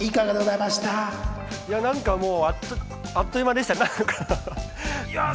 いや、なんかもう、あっという間でした。